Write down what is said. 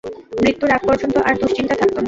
মৃত্যুর আগ পর্যন্ত আর দুশ্চিন্তা থাকতো না।